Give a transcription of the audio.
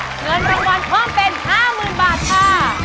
เงินรางวัลเพิ่มเป็น๕๐๐๐บาทค่ะ